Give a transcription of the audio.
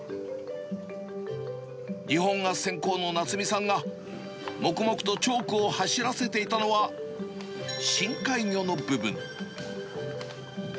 日本画専攻のなつみさんが、黙々とチョークを走らせていたのは、深海魚の部分。